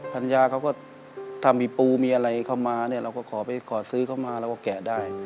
ภรรยาเขาก็ถ้ามีปูมีอะไรเข้ามาเนี่ยเราก็ขอไปขอซื้อเข้ามาเราก็แกะได้